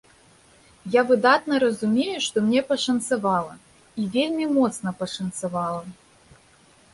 Я выдатна разумею, што мне пашанцавала, і вельмі моцна пашанцавала.